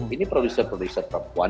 ini produser produser perempuan